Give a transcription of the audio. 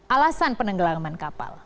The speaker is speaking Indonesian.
alasan penenggelaman kapal